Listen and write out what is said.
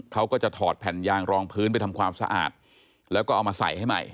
เขาก็จะถอดแผ่นยางรองพื้นไปทำความสะอาดแล้วก็เอามาใส่ให้ใหม่